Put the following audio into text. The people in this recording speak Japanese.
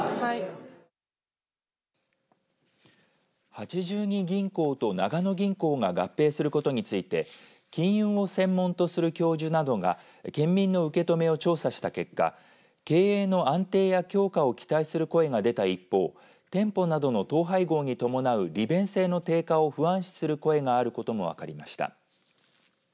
八十二銀行と長野銀行が合併することについて金融を専門とする教授などが県民の受け止めを調査した結果経営の安定や強化を期待する声が出た一方店舗などの統廃合に伴う利便性の低下を不安視する声があることも分かりました。